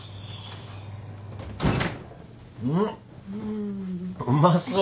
んうまそう。